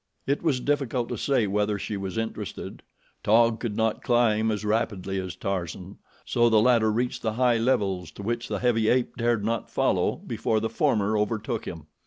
It was difficult to say whether she was interested. Taug could not climb as rapidly as Tarzan, so the latter reached the high levels to which the heavy ape dared not follow before the former overtook him.